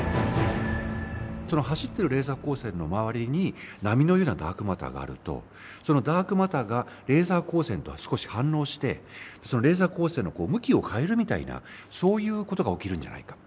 その走ってるレーザー光線の周りに波のようなダークマターがあるとそのダークマターがレーザー光線とは少し反応してそのレーザー光線の向きを変えるみたいなそういうことが起きるんじゃないか。